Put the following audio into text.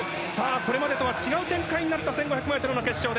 これまでとは違う展開になった１５００ｍの決勝。